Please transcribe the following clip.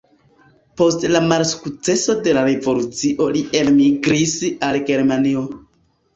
Post la malsukceso de la revolucio li elmigris al Germanio.